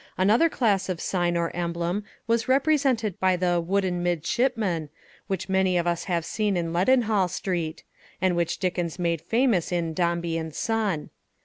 Another class of sign or emblem was represented by the "wooden midshipman," which many of us have seen in Leadenhall Street, and which Dickens made famous in "Dombey and Son."